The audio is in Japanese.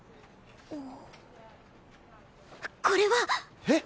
これは！えっ！？